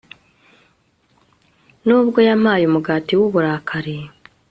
nubwo yampaye umugati w'uburakari